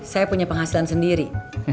saya punya penghasilan sendiri